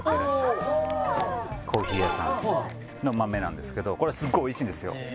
コーヒー屋さんの豆なんですけどこれすっごいおいしいんですよ